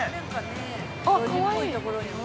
あっ、かわいい。